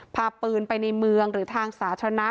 พาปืนไปในเมืองหรือทางสาธารณะ